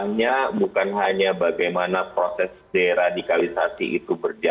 masalahnya bukan hanya dengan bagaimana proses diradikalisasi itu berjalan